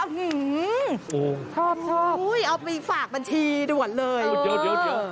ชอบชอบอุ้ยเอาไปฝากบัญชีด้วยก่อนเลยเดี๋ยวเดี๋ยวเดี๋ยว